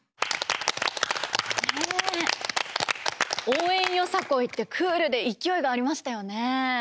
応援よさこいってクールで勢いがありましたよね。